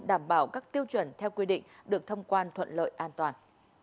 đảm bảo các tiêu chuẩn theo quy định được thông quan thuận lợi an toàn